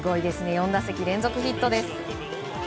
４打席連続ヒットです。